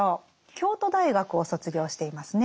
京都大学を卒業していますね。